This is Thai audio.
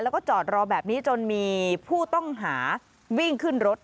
แล้วก็จอดรอแบบนี้จนมีผู้ต้องหาวิ่งขึ้นรถ